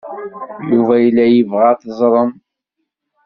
Yuba yella yebɣa ad teẓrem.